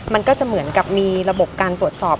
มันก็จะเหมือนกับมีระบบการตรวจสอบ